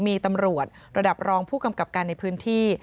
มีตำรวจระดับรองผู้กำกับการในพื้นที่